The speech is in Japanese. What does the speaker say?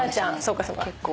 そうかそうか。